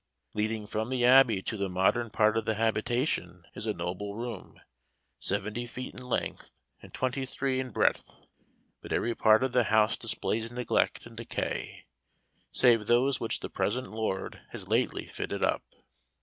Leading from the Abbey to the modern part of the habitation is a noble room, seventy feet in length, and twenty three in breadth; but every part of the house displays neglect and decay, save those which the present lord has lately fitted up."